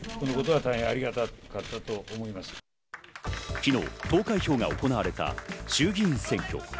昨日、投開票が行われた衆議院選挙。